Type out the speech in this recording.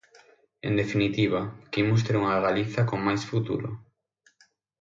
En definitiva, que imos ter unha Galiza con máis futuro.